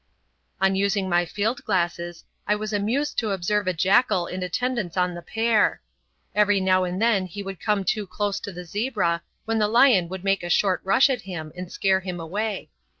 On using my field glasses, I was amused to observe a jackal in attendance on the pair. Every now and then he would come too close to the zebra, when the lion would make a short rush at him and scare him away.